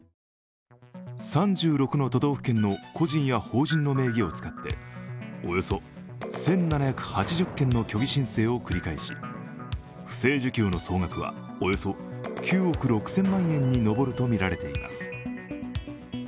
３６の都道府県の個人や法人の名義を使っておよそ１７８０件の虚偽申請を繰り返し不正受給の総額はおよそ９億６０００万円に上るとみられています。